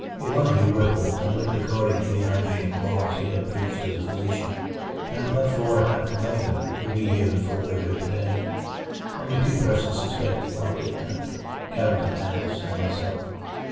Elihu Whipple had lived according to the hygienic laws he had preached as a physician, and but for what happened later would be here in full vigor today. Only two persons suspected what did happen Carrington Harris and myself.